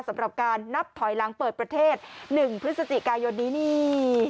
สำหรับการนับถอยหลังเปิดประเทศ๑พฤศจิกายนนี้นี่